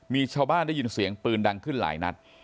มีชาวบ้านได้ยินเสียงปืนดังขึ้นหลายนัด